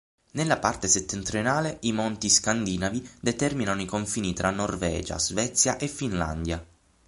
Nella parte settentrionale i Monti Scandinavi determinano i confini tra Norvegia, Svezia e Finlandia.